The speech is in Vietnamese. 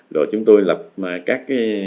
rồi chúng tôi lập các cái